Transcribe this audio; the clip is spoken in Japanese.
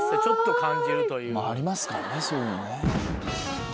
ありますからねそういうのね。